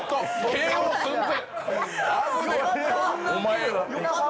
ＫＯ寸前！